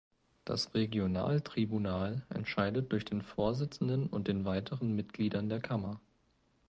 Das Regional Tribunal entscheidet durch den Vorsitzenden und den weiteren Mitgliedern der Kammer.